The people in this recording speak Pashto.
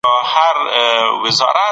دا د يوې پرمختللې ټولني نښه ده.